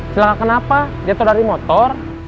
celaka kenapa dia tau dari motor